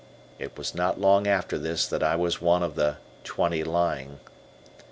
It was not long after this that I was one of the "20 lying."